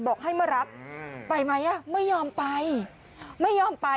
บอกให้มารับไปไหมอ่ะ